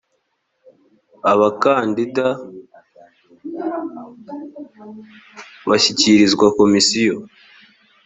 abakandida bashyikirizwa komisiyo.